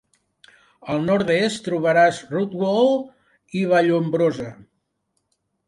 Al nord-est trobaràs Roodewal i Vallombrosa.